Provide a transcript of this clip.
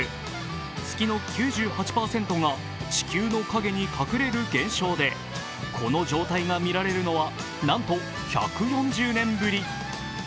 月の９８％が地球の陰に隠れる現象で、この状態が見られるのはなんと１４０年ぶり。